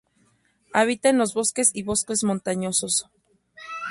Habita en los bosques y bosques montañosos.